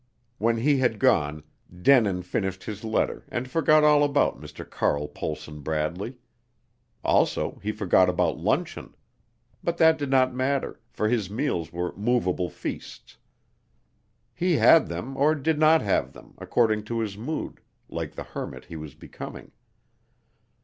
When he had gone, Denin finished his letter and forgot all about Mr. Carl Pohlson Bradley. Also he forgot about luncheon. But that did not matter, for his meals were movable feasts. He had them, or did not have them, according to his mood, like the hermit he was becoming.